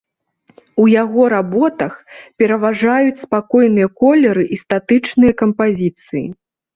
У яго работах пераважаюць спакойныя колеры і статычныя кампазіцыі.